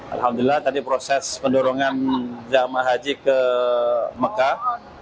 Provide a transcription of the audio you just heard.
alhamdulillah tadi proses pendorongan jemaah haji ke mekah